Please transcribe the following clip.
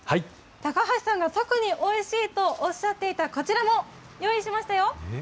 高橋さんが特においしいとおっしゃっていたこちらも用意しましたよ。